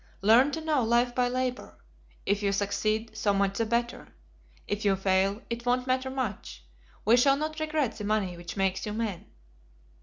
Learn to know life by labor. If you succeed, so much the better. If you fail, it won't matter much. We shall not regret the money which makes you men."